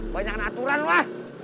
banyak aturan lo